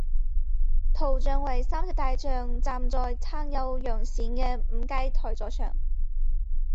图像为三只大象站在撑有阳伞的五阶台座上。